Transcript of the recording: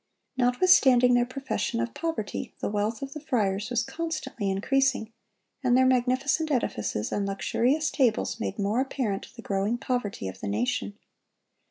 Notwithstanding their profession of poverty, the wealth of the friars was constantly increasing, and their magnificent edifices and luxurious tables made more apparent the growing poverty of the nation.